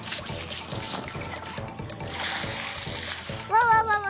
わわわわ！